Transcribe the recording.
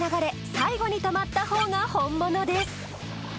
最後に止まった方が本物です